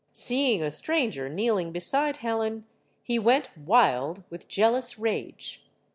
Seeing a stranger kneeling beside Helen, he went wild with jealous rage.